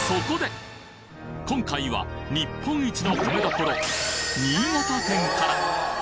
今回は日本一の米どころ新潟県から！